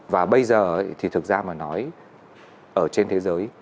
và bây giờ thì thực ra mà nói ở trên thế giới